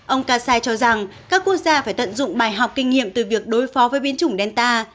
ông kasai cho rằng các quốc gia phải tận dụng bài học kinh nghiệm từ việc đối phó với biến chủng delta